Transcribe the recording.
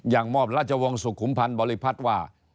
มอบราชวงศ์สุขุมพันธ์บริพัฒน์ว่า